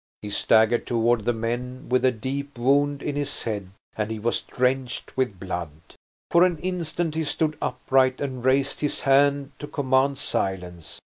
He staggered toward the men with a deep wound in his head, and he was drenched with blood. For an instant he stood upright and raised his hand to command silence.